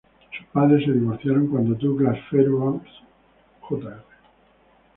Sus padres se divorciaron cuando Douglas Fairbanks, Jr.